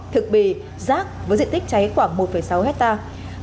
thực bì rác với diện tích cháy khoảng một sáu hectare